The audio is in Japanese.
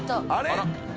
あら？